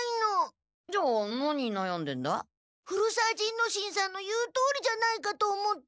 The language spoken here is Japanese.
之進さんの言うとおりじゃないかと思って。